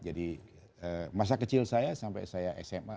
jadi masa kecil saya sampai saya sma